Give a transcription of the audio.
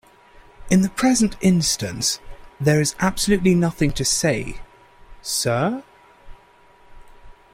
In the present instance, there is absolutely nothing to say 'Sir?'